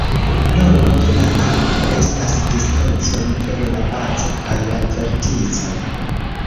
Longo de la alto estas distanco inter la bazo kaj la vertico.